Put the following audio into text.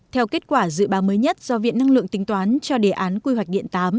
theo kết quả dự báo mới nhất do viện năng lượng tính toán cho đề án quy hoạch điện tám